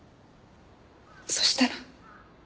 そしたら。